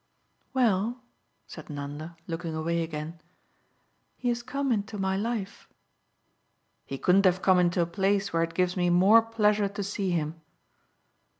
"Well," said Nanda, looking away again, "he has come into my life." "He couldn't have come into a place where it gives me more pleasure to see him."